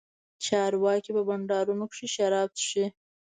چارواکي په بنډارونو کښې شراب چښي.